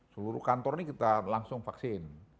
seluruh kantor ini kita langsung vaksin